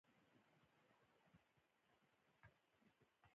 د ماینونو ښخول د جګړې ستر جنایت دی.